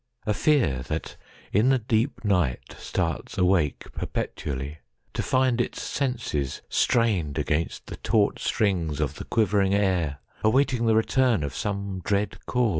A Fear that in the deep night starts awakePerpetually, to find its senses strainedAgainst the taut strings of the quivering air, Awaiting the return of some dread chord?